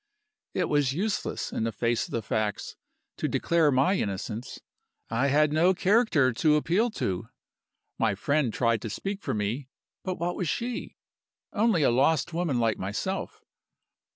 It was useless, in the face of the facts, to declare my innocence. I had no character to appeal to. My friend tried to speak for me; but what was she? Only a lost woman like myself.